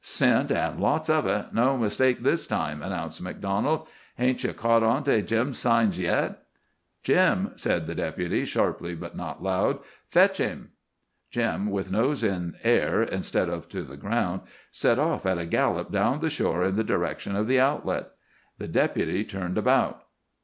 "Scent, and lots of it. No mistake this time," announced MacDonald. "Hain't ye caught on to Jim's signs yet?" "Jim," said the Deputy, sharply but not loud, "fetch him!" Jim, with nose in air instead of to the ground, set off at a gallop down the shore in the direction of the outlet. The Deputy turned about.